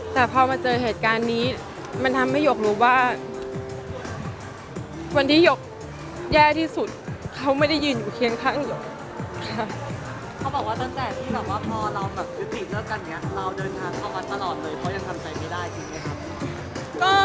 แต่พอมาเจอเหตุการณ์นี้มันทำให้หยกรู้ว่าวันที่หยกแย่ที่สุดเขาไม่ได้ยืนอยู่เคียงข้างหยก